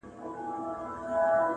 له پاڼو تشه ده ویجاړه ونه!!